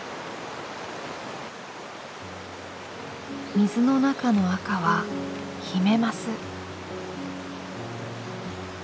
水の中の赤はヒメマス。